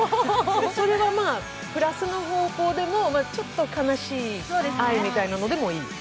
それはまあ、プラスの方向でも、ちょっと悲しい愛みたいなのでもいい？